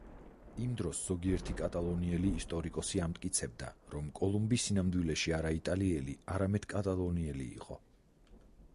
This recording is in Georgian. იმ დროს ზოგიერთი კატალონიელი ისტორიკოსი ამტკიცებდა, რომ კოლუმბი სინამდვილეში არა იტალიელი, არამედ კატალონიელი იყო.